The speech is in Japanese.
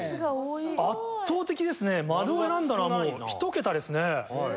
圧倒的ですね「○」を選んだのはもうひと桁ですね。